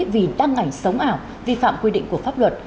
vì đăng ảnh sống ảo vi phạm quy định của pháp luật